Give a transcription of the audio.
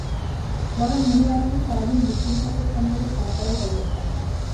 বরং মনের আনন্দে সারা দিন ভিকটিম সাপোর্ট সেন্টারে খেলা করাই তাদের কাজ।